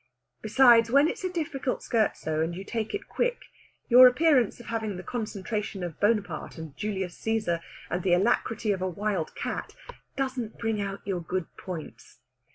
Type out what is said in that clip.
Besides, when it's a difficult scherzo and you take it quick, your appearance of having the concentration of Bonaparte and Julius Cæsar, and the alacrity of a wild cat, doesn't bring out your good points.